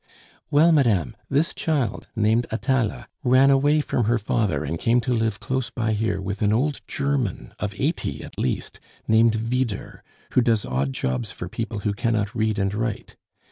"Well, madame, this child, named Atala, ran away from her father, and came to live close by here with an old German of eighty at least, named Vyder, who does odd jobs for people who cannot read and write.